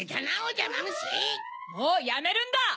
もうやめるんだ！